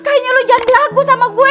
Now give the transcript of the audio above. kayanya lu jangan berlagu sama gue